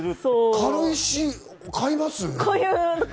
軽石買います？